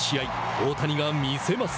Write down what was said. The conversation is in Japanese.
大谷が見せます。